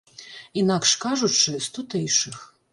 Інакш кажучы, з тутэйшых.